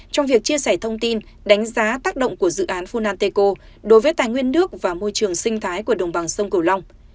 trong việc chia sẻ thông tin đánh giá tác động của dự án funanteco đối với tài nguyên nước và môi trường sinh thái của đồng bằng sông cửu long